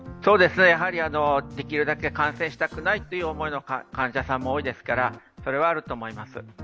できるだけ感染したくないという思いの患者さんも多いですから、それはあると思います。